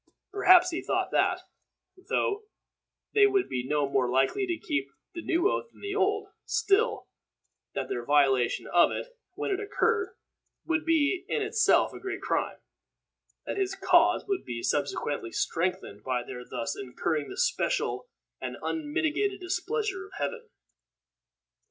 Perhaps he thought that, though they would be no more likely to keep the new oath than the old, still, that their violation of it, when it occurred, would be in itself a great crime that his cause would be subsequently strengthened by their thus incurring the special and unmitigated displeasure of Heaven.